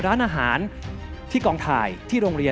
ร้านอาหารที่กองถ่ายที่โรงเรียน